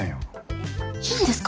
えっいいんですか？